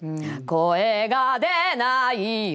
声が出ないよ。